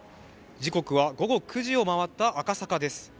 時刻は午後９時を回った赤坂です